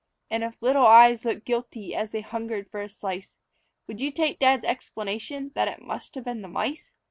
And if little eyes look guilty as they hungered for a slice, Would you take Dad's explanation that it must have been the mice?